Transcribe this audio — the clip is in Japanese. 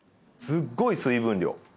すっごい水分量。